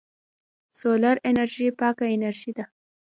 سولر انرژي پاکه انرژي ده.